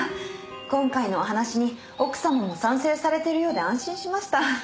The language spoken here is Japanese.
今回のお話に奥様も賛成されているようで安心しました。